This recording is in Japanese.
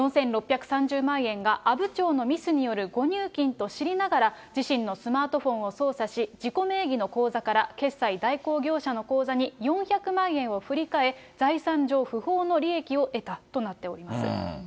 ４６３０万円が阿武町のミスによる誤入金と知りながら、自身のスマートフォンを操作し、自己名義の口座から決済代行業者の口座に４００万円を振り替え、財産上不法の利益を得たとなっています。